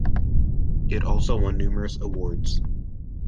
It also won numerous awards.